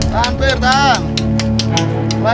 tahan pir tahan